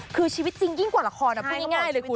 คือชีวิตจริงยิ่งกว่าละครพูดง่ายเลยคุณ